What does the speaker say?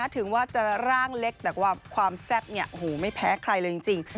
ถึงว่าจะร่างเล็กแต่ว่าความแซ่บไม่แพ้ใครเลยจริง